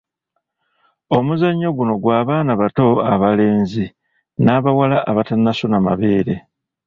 Omuzannyo guno gwa baana bato abalenzi n’abawala abatannasuna mabeere.